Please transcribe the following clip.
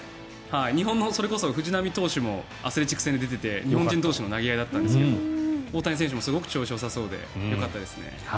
日本のそれこそ藤浪投手もアスレチックス戦で出ていて日本人同士の投げ合いだったんですが大谷選手もすごく調子よさそうでよかったですね。